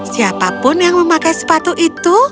siapa pun yang memakai sepatu itu